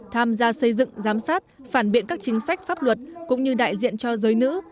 tham gia xây dựng giám sát phản biện các chính sách pháp luật cũng như đại diện cho giới nữ